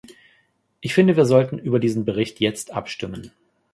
Ich finde, wir sollten über diesen Bericht jetzt abstimmen.